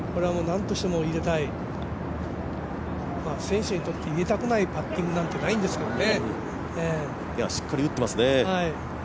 これはなんとしても入れたい選手にとって入れたくないパッティングなんてないんですけどね。